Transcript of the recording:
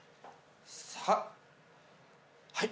さあはい。